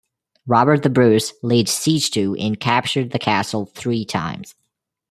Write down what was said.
Robert the Bruce laid siege to and captured the Castle three times.